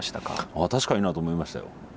ああ確かになと思いましたよ。